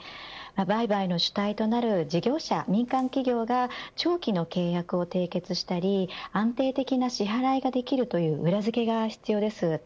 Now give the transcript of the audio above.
売買の主体となる事業者民間企業が長期の契約を締結したり安定的な支払いができるという裏付けが必要です。